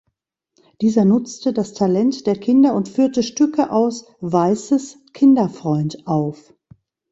Dieser nutzte das Talent der Kinder und führte Stücke aus "Weiße’s Kinderfreund" auf.